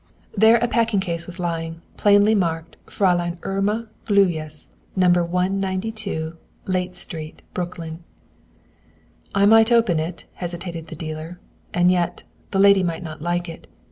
There a packing case was lying, plainly marked "Fräulein Irma Gluyas, No. 192 Layte Street, Brooklyn." "I might open it," hesitated the dealer, "and yet, the lady might not like it.